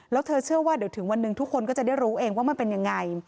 แล้วเธอเชื่อว่าเดี๋ยวถึงวันหนึ่งทุกคนก็จะได้รู้เองว่ามันเป็นยังไง